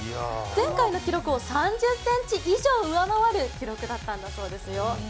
前回の記録を３０ｃｍ以上上回る記録だったんだそうですよ。